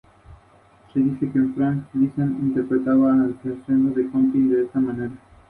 Tradujo textos clásicos al alemán, tanto en griego como en latín.